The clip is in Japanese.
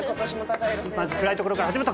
まず暗いところから始まった。